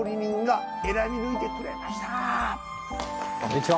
こんにちは。